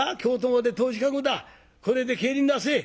これで帰りなせえ」。